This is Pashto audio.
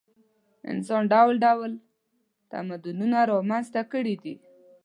انسان ډول ډول تمدنونه رامنځته کړي دي.